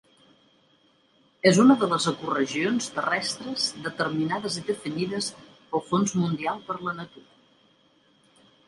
És una de les ecoregions terrestres determinades i definides pel Fons Mundial per la Natura.